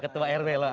ketua rw loh